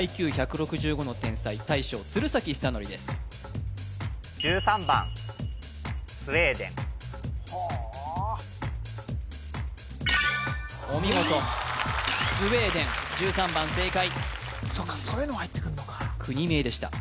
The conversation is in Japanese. ＩＱ１６５の天才大将鶴崎修功ですはあお見事スウェーデン１３番正解そうかそういうのも入ってくんのか国名でした